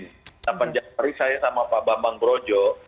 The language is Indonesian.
pada penjara saya sama pak bambang brojo